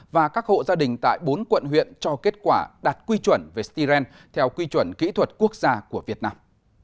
và các hộ gia đình tại bốn quận huyện cho kết quả đạt quy chuẩn về styren theo quy chuẩn kỹ thuật quốc gia của việt nam